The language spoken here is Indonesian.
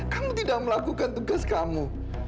kamu tidak melakukan tugas kamu